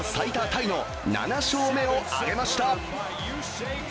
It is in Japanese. タイの７勝目を挙げました。